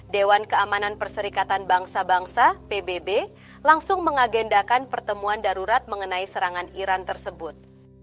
dewan keamanan perserikatan bangsa bangsa pbb langsung mengagendakan pertemuan darurat mengenai serangan iran tersebut